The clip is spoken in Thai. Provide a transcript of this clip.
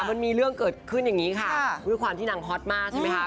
มันมีเรื่องเกิดขึ้นอย่างนี้ค่ะด้วยความที่นางฮอตมากใช่ไหมคะ